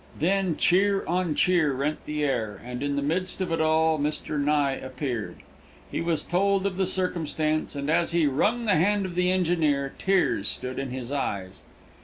Then cheer on cheer rent the air, and in the midst of it all, Mr. Nye appeared. He was told of the circumstance, and, as he wrung the hand of the engineer, tears stood in his eyes.